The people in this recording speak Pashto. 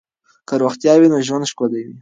که روغتیا وي نو ژوند ښکلی وي.